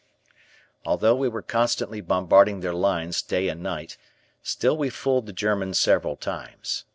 Although we were constantly bombarding their lines day and night, still we fooled the Germans several times.